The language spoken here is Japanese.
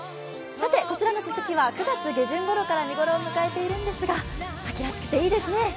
こちらのすすきは９月下旬ごろから見頃を迎えているんですが秋らしくて、いいですね。